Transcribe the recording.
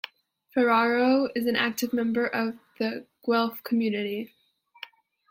Ferraro is an active member of the Guelph community.